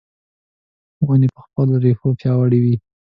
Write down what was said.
ونې په خپلو رېښو پیاوړې وي .